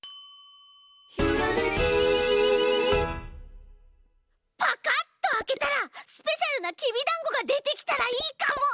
「ひらめき」パカッとあけたらスペシャルなきびだんごがでてきたらいいかも！